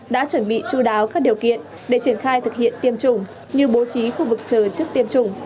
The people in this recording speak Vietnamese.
đã chuẩn bị chú đáo các điều kiện để triển khai thực hiện tiêm chủng như bố trí khu vực chờ trước tiêm chủng